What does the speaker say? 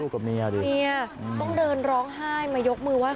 ต้องเดินร้องไห้มายกมือว่า